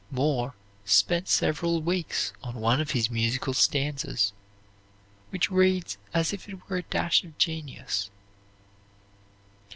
Moore spent several weeks on one of his musical stanzas which reads as if it were a dash of genius.